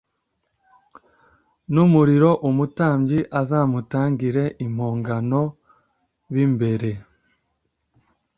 N Umuriro Umutambyi Azamutangire Impongano B Imbere